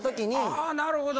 ああなるほど。